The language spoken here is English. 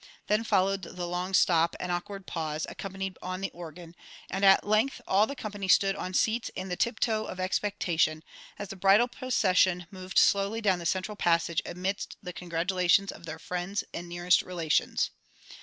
Then followed the long stop and awkward pause, accompanied on the organ, and at length all the company stood on seats and the tiptoe of expectation, as the bridal procession moved slowly down the central passage amidst the congratulations of their friends and nearest relations.